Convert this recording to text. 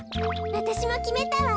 わたしもきめたわ。